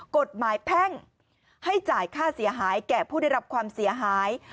แพ่งให้จ่ายค่าเสียหายแก่ผู้ได้รับความเสียหาย